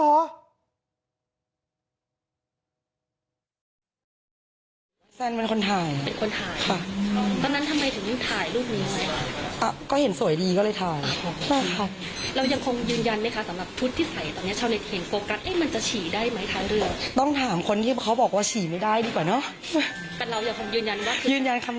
เอ่อแซนส่งให้มีส่งให้ตำรวจแล้วก็มีส่งให้เพื่อนบางคนค่ะ